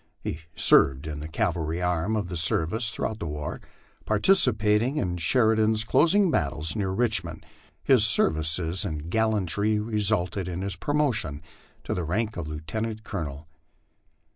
He served in the cavalry arm of the service through out the war, participating in Sheridan's closing battles near Richmond, his ser vices and gallantry resulting in his promotion to the rank of lieutenant colo nel.